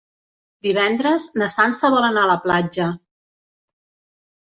Divendres na Sança vol anar a la platja.